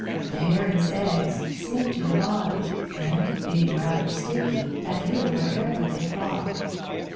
The Herring's eggs sink to the bottom and, being rather sticky, adhere wherever they fall.